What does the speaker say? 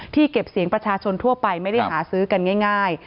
เก็บเสียงประชาชนทั่วไปไม่ได้หาซื้อกันง่าย